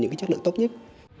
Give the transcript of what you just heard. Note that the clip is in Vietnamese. những cái chất lượng tốt nhất